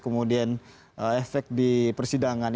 kemudian efek di persidangan